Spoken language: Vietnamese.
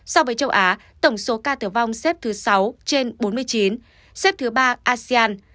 so với châu á tổng số ca tử vong xếp thứ sáu trên bốn mươi chín xếp thứ ba asean tử vong trên một triệu dân xếp thứ hai mươi bốn trên bốn mươi chín quốc gia